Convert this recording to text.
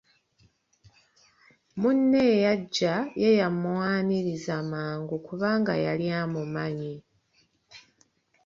Munne eyajja ye yamwaniriza mangu kubanga yali amumanyi.